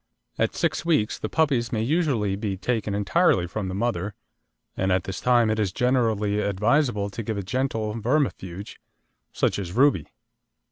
At six weeks the puppies may usually be taken entirely from the mother, and at this time it is generally advisable to give a gentle vermifuge, such as Ruby.